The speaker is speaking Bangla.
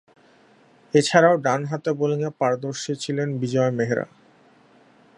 এছাড়াও, ডানহাতে বোলিংয়ে পারদর্শী ছিলেন বিজয় মেহরা।